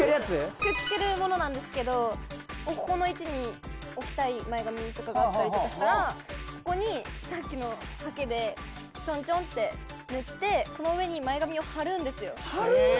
くっつけるものなんですけどここの位置に置きたい前髪とかがあったりとかしたらここにさっきのハケでチョンチョンって塗ってこの上に前髪を貼るんですよ・貼る！？